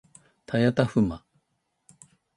たやたふま